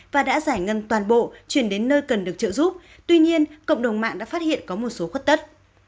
và đã giải ngân toàn bộ chuyển đến nơi cần được trợ giúp tuy nhiên cộng đồng mạng đã phát hiện có một số khuất tất